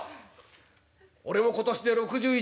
「俺も今年で６１」。